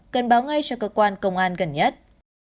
cần báo ngay cho cơ quan công an gần nhất